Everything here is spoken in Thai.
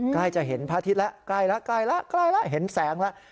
ใกล้จะเห็นพระอาทิตย์แล้วใกล้แล้วเห็นแสงแล้ว